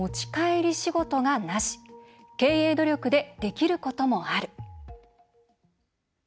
「残業や持ち帰り仕事がなし経営努力できることもある」。